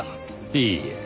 いいえ。